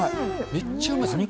めっちゃうまいっすよね。